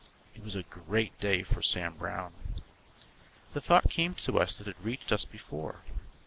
It was a great day for Sam Browne. The thought came to us that has reached us before.